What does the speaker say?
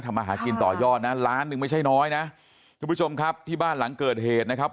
มาหากินต่อยอดนะล้านหนึ่งไม่ใช่น้อยนะทุกผู้ชมครับที่บ้านหลังเกิดเหตุนะครับ